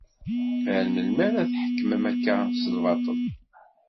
Ar melmi ara tḥekmem akka s lbaṭel.